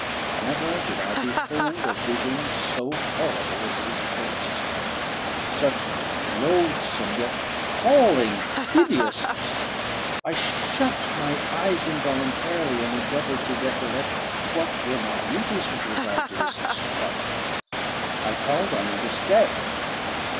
Never did I behold a vision so horrible as his face, of such loathsome, yet appalling hideousness. I shut my eyes involuntarily, and endeavoured to recollect what were my duties with regard to this destroyer. I called on him to stay.